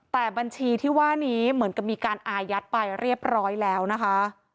แต่บัญชีที่ว่านี้เหมือนกับมีการอายัดไปเรียบร้อยแล้วนะคะ